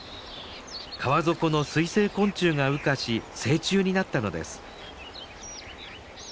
川底の水生昆虫が羽化し成虫になったのです。